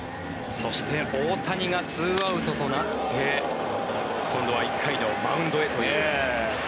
そして、大谷が２アウトとなって今度は１回のマウンドへという。